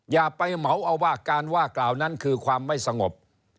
อย่าไปเหมาเอาว่าการว่ากล่าวนั้นคือความไม่สงบ